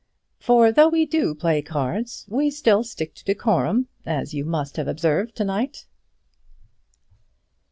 "For though we do play cards, we still stick to decorum, as you must have observed to night."